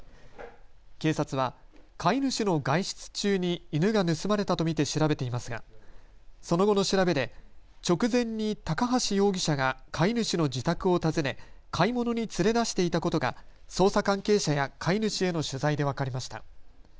警察は飼い主の外出中に犬が盗まれたと見て調べていますがその後の調べで直前に高橋容疑者が飼い主の自宅を訪ね買い物に連れ出していたことが捜査関係者や飼い主への取材で分かりました。